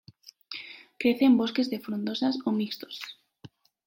Crece en bosques de frondosas o mixtos.